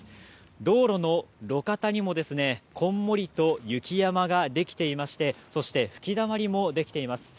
道路の路肩にもこんもりと雪山ができていましてそして、吹きだまりもできています。